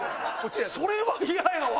それはイヤやわ！